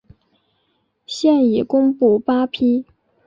现已公布八批。